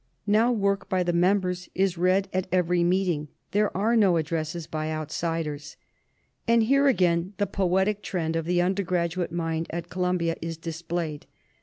Now work by the members is read at every meeting; there are no addresses by outsiders. "And here again the poetic trend of the under graduate mind at Columbia is displayed.